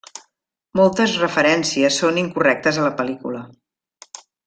Moltes referències són incorrectes a la pel·lícula.